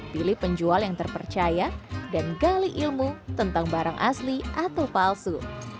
pilih penjual yang terpercaya dan gali ilmu tentang barang asli atau palsu